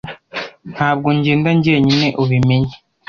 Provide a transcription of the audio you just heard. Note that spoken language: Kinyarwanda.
ntabwo ngenda njyenyine ubimenye